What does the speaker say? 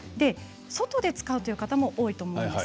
外で使う方も多いと思います。